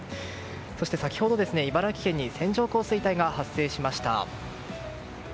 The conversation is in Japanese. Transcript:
そして先ほど茨城県に線状降水帯が発生しました。